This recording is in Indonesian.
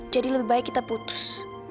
jadi lebih baik kita putus